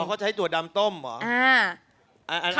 เขาใช้ถั่วดำต้มเหรอ